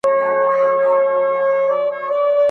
د سرکار له پوره نه سو خلاصېدلای،